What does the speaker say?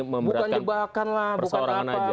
memperatkan persoarangan saja